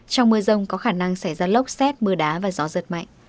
trong mưa rồng có khả năng xảy ra lốc xét mưa đá và gió rớt mạnh